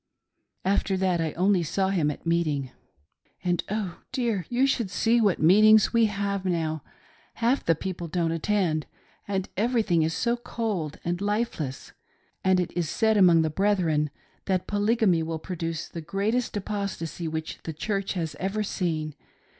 After that I only saw him. at meeting. And, oh dear ! you should see what meetings we have now I Half the people don't attend, and everything is so cold and lifeless. Some of our most earnest Elders never come ; and it is said among the brethren, that Polygamy will produce the greatest apostasy which the Church has ever seen.